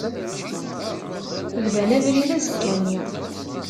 Bdan abrid azekka-nni.